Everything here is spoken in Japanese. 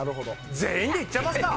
全員でいっちゃいますか？